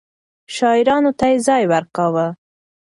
شاعرانو ته يې ځای ورکاوه.